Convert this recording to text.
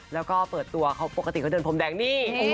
แล้วก็เปิดตัวเขาปกติเขาเดินพรมแดงนี่